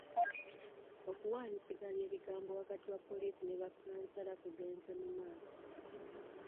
Okuwaanyisiganya ebigambo wakati wa poliisi ne bakkansala kugenze mu maaso .